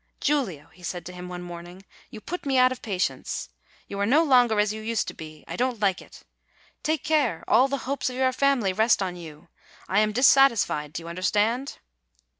"Giulio," he said to him one morning, "you put me out of patience; you are no longer as you used to be. I don't like it. Take care; all the hopes of your family rest on you. I am dissatisfied; do you under stand